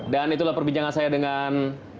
dan itulah perbincangan saya dengan pak mas wito